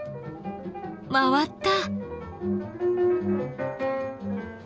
回った！